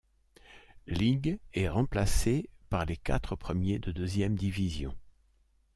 Lig et remplacés par les quatre premiers de deuxième division.